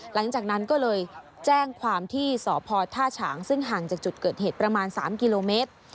หลังจากนั้นก็เลยแจ้งความที่สพท่าฉางซึ่งห่างจากจุดเกิดเหตุประมาณ๓กิโลเมตร